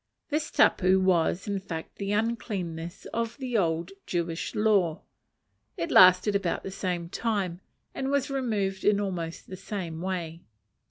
This tapu was, in fact, the uncleanness of the old Jewish law; it lasted about the same time, and was removed in almost the same way.